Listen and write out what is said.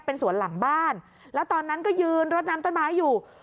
เป็นสวนหลังบ้านแล้วตอนนั้นก็ยืนรดน้ำต้นไม้อยู่